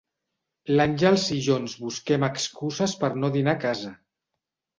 L'Àngels i jo ens busquem excuses per no dinar a casa.